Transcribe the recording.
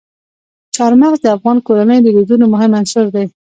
چار مغز د افغان کورنیو د دودونو مهم عنصر دی.